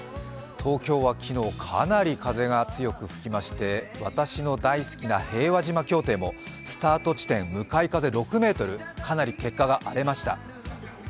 東京は昨日かなり風が強く吹きまして私の大好きな平和島競艇も、スタート地点向かい風６メートル、かなり結果が荒れました。